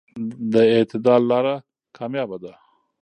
د اعتدال لاره کاميابه ده.